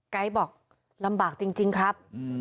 ไกด์บอกลำบากจริงครับ